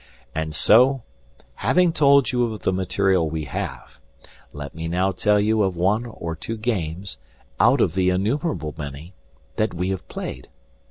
And so, having told you of the material we have, let me now tell you of one or two games (out of the innumerable many) that we have played.